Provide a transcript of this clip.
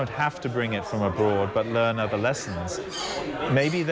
แต่มีความพลังที่สามารถ